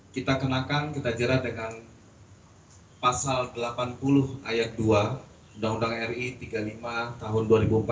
kita kenakan kita jerat dengan pasal delapan puluh ayat dua undang undang ri tiga puluh lima tahun dua ribu empat belas